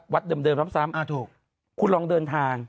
วันที่๑๐กับ๒๐สิงหาคม